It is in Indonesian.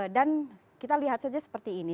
dan kita lihat saja seperti ini